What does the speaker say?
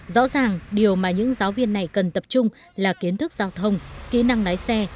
rõ ràng điều mà những giáo viên này cần tập trung là kiến thức giao thông kỹ năng lái xe